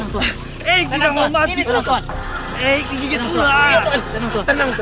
sebenarnya dia perekaman untuk indonesia